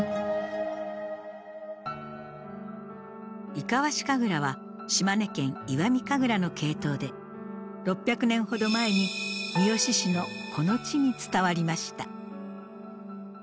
「伊賀和志神楽」は島根県石見神楽の系統で６００年ほど前に三次市のこの地に伝わりました。